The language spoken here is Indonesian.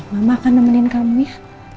mama akan nemenin kamu ya